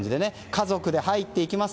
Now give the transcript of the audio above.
家族で入っていきます